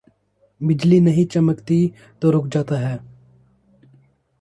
بجلی نہیں چمکتی تو رک جاتا ہے۔